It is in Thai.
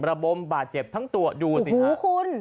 ระบมบาดเจ็บทั้งตัวดูสิฮะคุณ